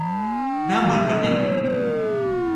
หน้าเหมือนบัณฑิต